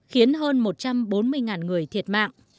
khiến hơn một trăm bốn mươi người thiệt mạng